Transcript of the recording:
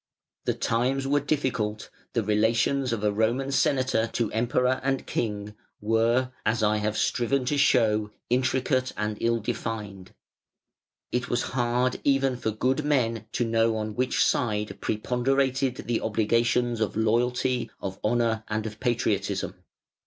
The times were difficult: the relations of a Roman Senator to Emperor and King were, as I have striven to show, intricate and ill defined; it was hard for even good men to know on which side preponderated the obligations of loyalty, of honour, and of patriotism.